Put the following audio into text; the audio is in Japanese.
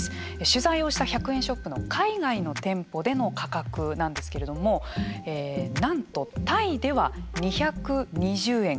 取材をした１００円ショップの海外の店舗での価格なんですけれどもなんとタイでは２２０円